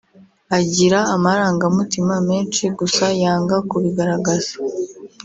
Agira amarangamutima menshi gusa yanga kubigaragaza